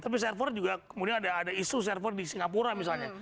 tapi server juga kemudian ada isu server di singapura misalnya